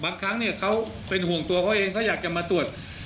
บางครั้งเนี่ยเขาเป็นห่วงตัวเขาเองเขาอยากจะมาตรวจ